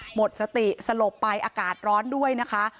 หมดสติสลบไปอากาศร้อนด้วยนะคะ